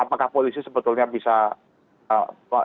apakah polisi sebetulnya bisa